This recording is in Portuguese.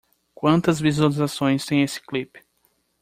Quantas visualizações tem esse clip?